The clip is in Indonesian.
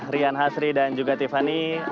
rian hasri dan juga tiffany